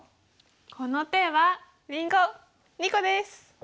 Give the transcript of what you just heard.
この手はりんご２個です！